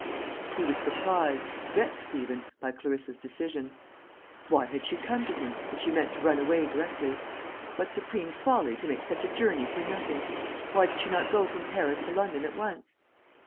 He was surprised, vexed even, by Clarissa's decision. Why had she come to him, if she meant to run away directly? What supreme folly to make such a journey for nothing! Why did she not go from Paris to London at once?